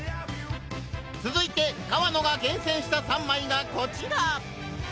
続いて河野が厳選した３枚がコチラ！